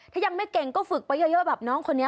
ถ้ายังไม่เก่งก็ฝึกไปเยอะแบบน้องคนนี้